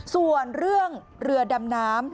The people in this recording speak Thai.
ส่วนเรื่องเรือดำน้ำ